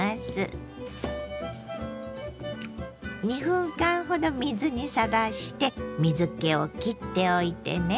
２分間ほど水にさらして水けをきっておいてね。